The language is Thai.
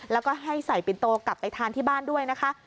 แล้วก็ให้ใส่ปินโตกลับไปทานที่บ้านด้วยนะคะ